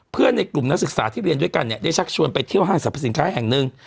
ในกลุ่มนักศึกษาที่เรียนด้วยกันเนี่ยได้ชักชวนไปเที่ยวห้างสรรพสินค้าแห่งหนึ่ง